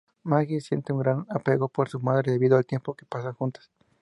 Maggie siente un gran apego por su madre, debido al tiempo que pasan juntas.